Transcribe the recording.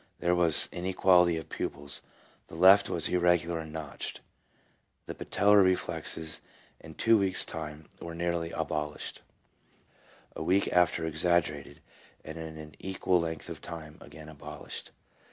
There was inequality of pupils, the left was irregular and notched. The patellar reflexes in two weeks' time were nearly abolished, a week after exaggerated, and in an equal length of time again abolished.